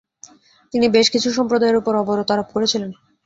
তিনি বেশ কিছু সম্প্রদায়ের ওপর অবরোধ আরোপ করেছিলেন।